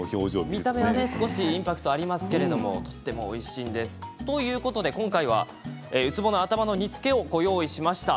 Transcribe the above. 見た目はすごくインパクトがありますがとてもおいしいんです。ということで今日はウツボの頭の煮つけをご用意しました。